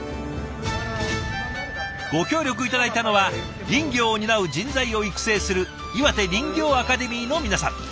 ご協力頂いたのは林業を担う人材を育成するいわて林業アカデミーの皆さん。